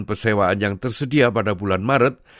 persewaan yang tersedia pada bulan maret